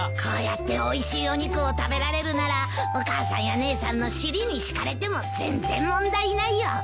こうやっておいしいお肉を食べられるならお母さんや姉さんの尻に敷かれても全然問題ないよ。